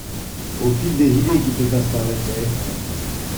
Au fil des idées qui te passent par la tête.